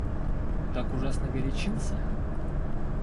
Так ужасно горячился?